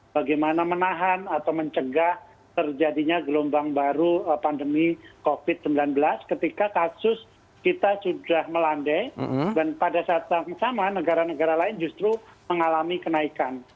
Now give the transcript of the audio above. bagaimana menahan atau mencegah terjadinya gelombang baru pandemi covid sembilan belas ketika kasus kita sudah melandai dan pada saat yang sama negara negara lain justru mengalami kenaikan